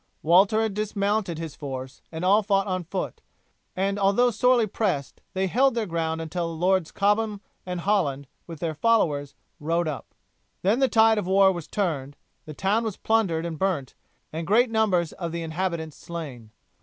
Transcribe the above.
Walter had dismounted his force and all fought on foot, and although sorely pressed they held their ground until Lords Cobham and Holland, with their followers, rode up. Then the tide of war was turned, the town was plundered and burnt, and great numbers of the inhabitants slain.